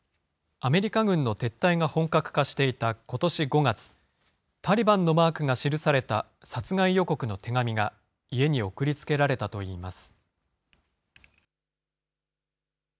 アメリカ軍の撤退が本格化していたことし５月、タリバンのマークが記された殺害予告の手紙が、家に送りつけられたといいます。